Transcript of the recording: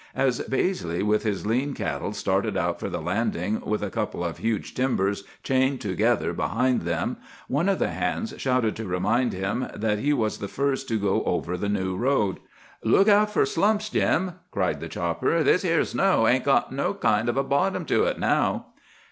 As Baizley with his lean cattle started out for the Landing with a couple of huge timbers chained together behind them, one of the hands shouted to remind him that he was the first to go over the new road. "'Look out for slumps, Jim!' cried the chopper. 'This here snow hain't got no kind of a bottom to it now!